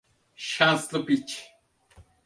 Şanslı piç.